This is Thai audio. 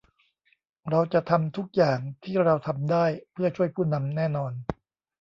เราจะทำทุกอย่างที่เราทำได้เพื่อช่วยผู้นำแน่นอน